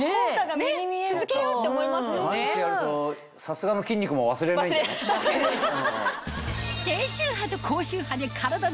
毎日やるとさすがの筋肉も忘れないんじゃない？